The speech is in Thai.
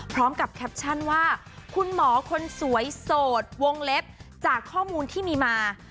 แคปชั่นว่าคุณหมอคนสวยโสดวงเล็บจากข้อมูลที่มีมา